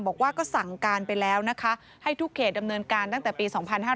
บอกว่าก็สั่งการไปแล้วนะคะให้ทุกเขตดำเนินการตั้งแต่ปี๒๕๕๙